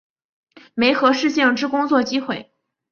媒合适性之工作机会